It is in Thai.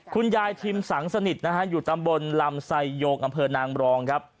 คุณยายทิมสังสนิทนะฮะอยู่ตำบลลำไซโยงอำเภอนางบรองครับ